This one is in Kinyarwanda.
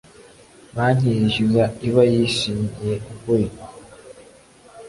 Banki yishyuza iba yishingiye ukuri